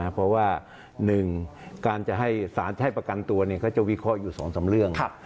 เพราะว่าหนึ่งการจะให้ประกันตัวเขาจะวิเคราะห์อยู่สองสามเรื่อง